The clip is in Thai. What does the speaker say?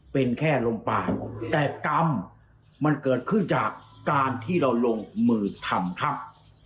เป็นแค่ลมป่านแต่กรรมมันเกิดขึ้นจากการที่เราลงมือทำครับ